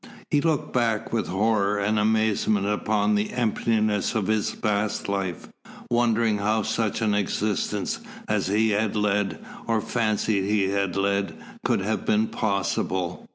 He looked back with horror and amazement upon the emptiness of his past life, wondering how such an existence as he had led, or fancied he had led, could have been possible.